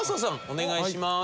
お願いします。